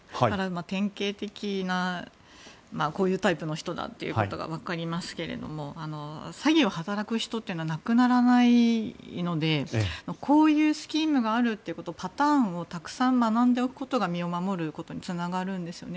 典型的なこういうタイプの人だとわかりますけれども詐欺を働く人っていうのはなくならないのでこういうスキームがあるということをパターンをたくさん学んでおくことが身を守ることにつながるんですよね。